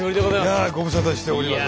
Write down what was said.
いやご無沙汰しております